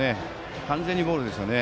完全にボールですけどね。